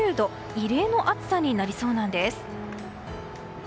異例の暑さになりそうなんです。